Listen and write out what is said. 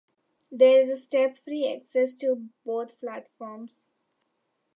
There is step-free access to both platforms.